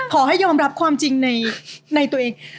ขอให้ยอมรับความจริงในตัวเอง